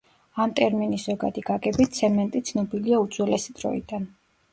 ამ ტერმინის ზოგადი გაგებით ცემენტი ცნობილია უძველესი დროიდან.